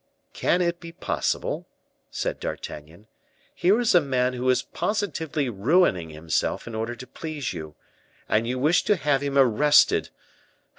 "Can it be possible?" said D'Artagnan; "here is a man who is positively ruining himself in order to please you, and you wish to have him arrested!